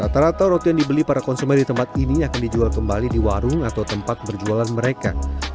rata rata roti yang dibeli para konsumen di tempat ini akan dijual kembali di warung atau tempat berjualan mereka